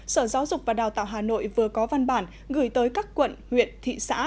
sở giáo dục và đào tạo hà nội vừa có văn bản gửi tới các quận huyện thị xã